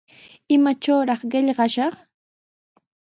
¿Imatrawraq qillqashaq?